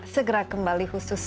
segera kembali khusus